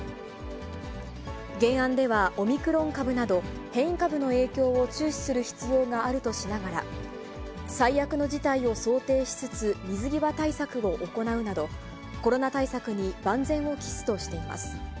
原案では、オミクロン株など、変異株の影響を注視する必要があるとしながら、最悪の事態を想定しつつ、水際対策を行うなど、コロナ対策に万全を期すとしています。